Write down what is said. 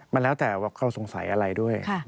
มันแล้วแต่เขาสงสัยอะไรด้วย